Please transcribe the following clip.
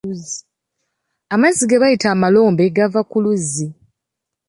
Amazzi ge bayita amalombe gava ku luzzi.